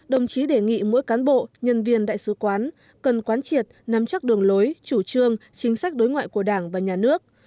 đồng chí đề nghị mỗi cán bộ nhân viên đại sứ quán cần quán triệt nắm chắc đường lối chủ trương chính sách đối ngoại của đảng và nhà nước